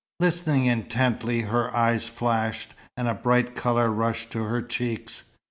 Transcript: Listening intently, her eyes flashed, and a bright colour rushed to her cheeks.